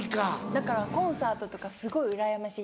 だからコンサートとかすごいうらやましい。